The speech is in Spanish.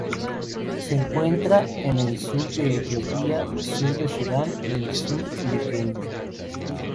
Se encuentra en el sur de Etiopía, sur de Sudán del Sur y Kenia.